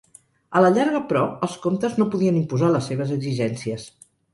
A la llarga però els comtes no podien imposar les seves exigències.